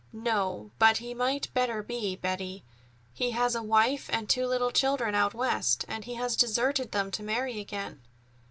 "No, but he might better be, Betty. He has a wife and two little children out West, and he has deserted them to marry again."